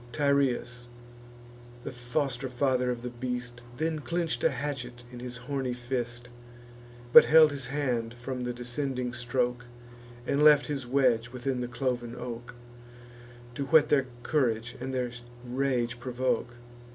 Tyrrheus, the foster father of the beast, Then clench'd a hatchet in his horny fist, But held his hand from the descending stroke, And left his wedge within the cloven oak, To whet their courage and their rage provoke.